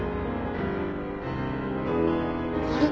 あれ？